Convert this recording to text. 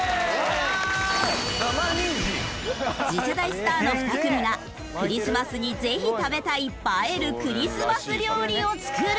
次世代スターの２組がクリスマスにぜひ食べたい映えるクリスマス料理を作る。